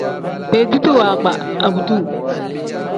Beediti waagba abduu.